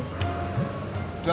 udah nggak nunggu